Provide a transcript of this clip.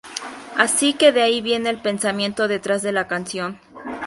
Así que de ahí viene el pensamiento detrás de la canción".